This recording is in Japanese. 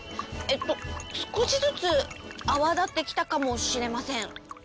えっと少しずつ泡立ってきたかもしれません。